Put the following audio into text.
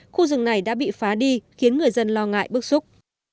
khu rừng này đã bị phá đi khiến người dân lo ngại bức xúc